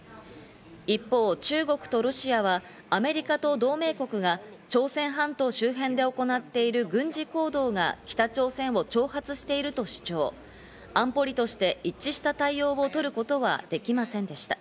一方、中国とロシアは、アメリカと同盟国が朝鮮半島周辺で行っている軍事行動が北朝鮮を挑発していると主張、安保理として一致した対応を取ることはできませんでした。